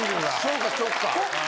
そっかそっか。